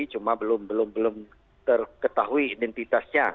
cuma belum terketahui identitasnya